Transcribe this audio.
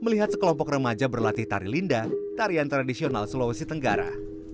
melihat sekelompok remaja berlatih tari linda tarian tradisional sulawesi tenggara